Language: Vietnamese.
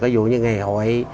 ví dụ như ngày hội